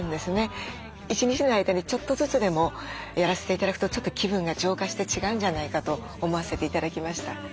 一日の間にちょっとずつでもやらせて頂くとちょっと気分が浄化して違うんじゃないかと思わせて頂きました。